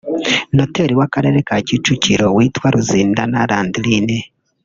noteri w’akarere ka Kicukiro witwa Ruzindana Landrine